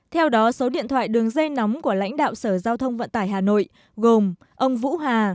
theo đó số điện thoại đường dây nóng của lãnh đạo sở giao thông vận tải hà nội gồm ông vũ hà